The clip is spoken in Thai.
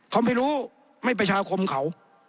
เขาไม่ไปชาวคมเขา